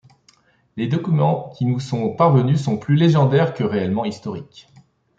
Les documents qui nous sont parvenus sont plus légendaires que réellement historiques.